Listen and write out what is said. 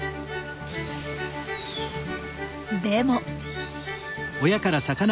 でも。